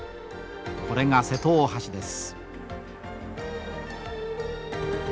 これが瀬戸大橋です。